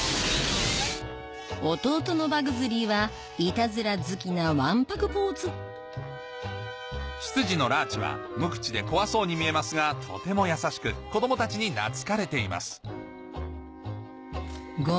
弟のパグズリーはいたずら好きなわんぱく坊ず執事のラーチは無口で怖そうに見えますがとても優しく子供たちに懐かれています